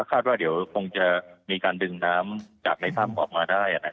ว่าเดี๋ยวคงจะมีการดึงน้ำจากในถ้ำออกมาได้